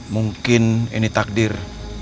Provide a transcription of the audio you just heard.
mungkin ini takdir